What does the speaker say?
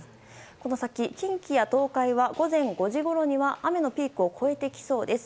この先、近畿や東海は午前５時ごろには雨のピークを越えてきそうです。